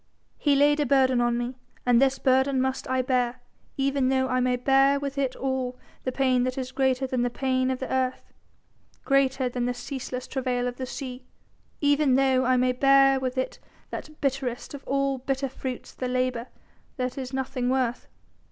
He laid a burden on me and this burden must I bear even though I may bear with it all the pain that is greater than the pain of the earth, greater than the ceaseless travail of the sea, even though I may bear with it that bitterest of all bitter fruits the labour that is nothing worth.